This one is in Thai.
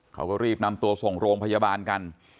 เขาก็รีบนำตัวส่งโรงพยาบาลกัน